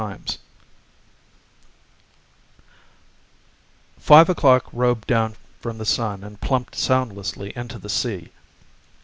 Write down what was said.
II Five o'clock robed down from the sun and plumped soundlessly into the sea.